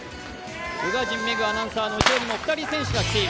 宇賀神メグアナウンサーの後ろにも２人、選手が来ている。